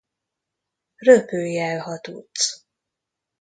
Röpülj el, ha tudsz!